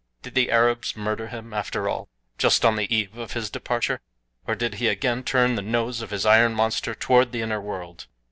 Did the Arabs murder him, after all, just on the eve of his departure? Or, did he again turn the nose of his iron monster toward the inner world?